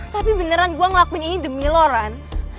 tapi beneran gue ngelakuin ini demi loran